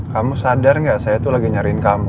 kamu sadar nggak saya tuh lagi nyariin kamu